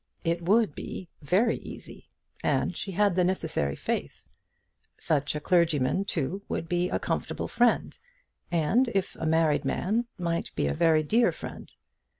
It would be very easy, and she had the necessary faith. Such a clergyman, too, would be a comfortable friend, and, if a married man, might be a very dear friend.